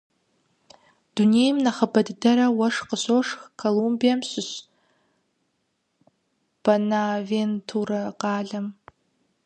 Дунейм нэхъыбэ дыдэрэ уэшх къыщошх Колумбием щыщ Бэнавентурэ къалэм.